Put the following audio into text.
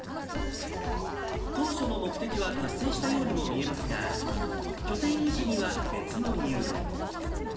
当初の目的は達成したようにも見えますが、拠点維持には別の理由も。